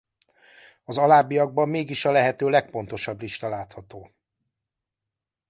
Az alábbiakban mégis a lehető legpontosabb lista látható.